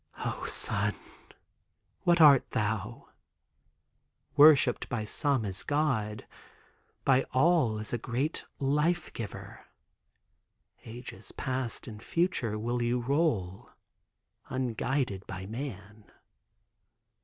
O, sun, what art thou? Worshiped by some as God, by all as a great life giver. Ages past and future will you roll, unguided by man.